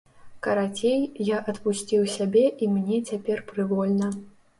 Карацей, я адпусціў сябе і мне цяпер прывольна.